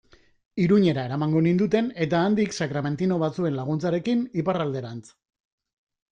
Iruñera eramango ninduten, eta handik, sakramentino batzuen laguntzarekin, Iparralderantz.